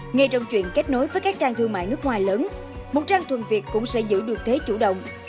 ngay trong chuyện kết nối với các trang thương mại nước ngoài lớn một trang thuần việt cũng sẽ giữ được thế chủ động